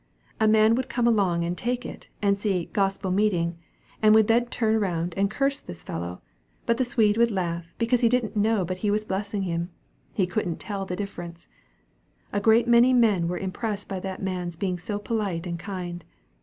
A man would come along and take it, and see 'Gospel meeting,' and would turn around and curse the fellow; but the Swede would laugh, because he didn't know but he was blessing him. He couldn't tell the difference. A great many men were impressed by that man's being so polite and kind.